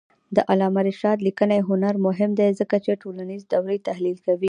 د علامه رشاد لیکنی هنر مهم دی ځکه چې ټولنیز دورې تحلیل کوي.